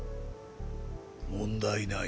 問題ない。